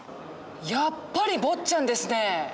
やっぱり「坊っちゃん」ですね。